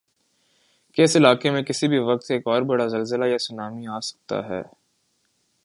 کہ اس علاقی میں کسی بھی وقت ایک اوربڑا زلزلہ یاسونامی آسکتا ہی۔